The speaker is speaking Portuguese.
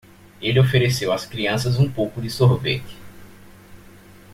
Ele ofereceu às crianças um pouco de sorvete.